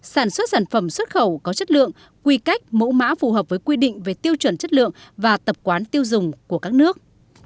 sản xuất sản phẩm xuất khẩu có chất lượng quy cách mẫu mã phù hợp với quy định về tiêu chuẩn chất lượng và tập quán tiêu dùng của các nước